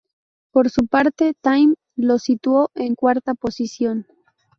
Por su parte, "Time" lo situó en cuarta posición.